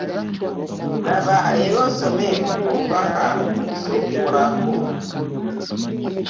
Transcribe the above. Laba era osome obubaka obusookerwako.